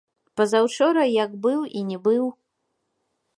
Пазаўчора як быў і не быў.